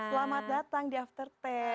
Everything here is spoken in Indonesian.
selamat datang di after sepuluh